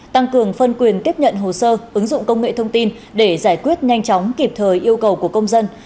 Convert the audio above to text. tăng cường phân quyền tiếp nhận hồ sơ ứng dụng công nghệ thông tin để giải quyết nhanh chóng kịp thời yêu cầu của công dân